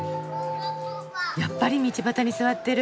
やっぱり道端に座ってる。